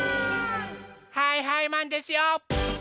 はいはいマンですよ！